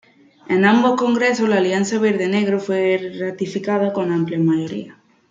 En ambos congresos la alianza verde-negro fue ratificada con amplias mayorías.